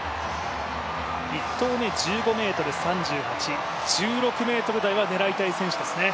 １投目１５ｍ３８、１６ｍ台は狙いたい選手ですね。